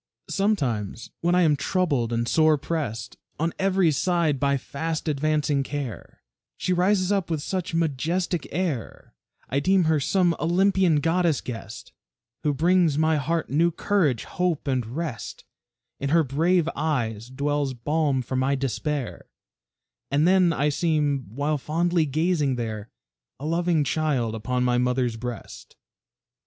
Sometimes when I am troubled and sore pressed On every side by fast advancing care, She rises up with such majestic air, I deem her some Olympian goddess guest, Who brings my heart new courage, hope, and rest; In her brave eyes dwells balm for my despair, And then I seem, while fondly gazing there, A loving child upon my mother's breast.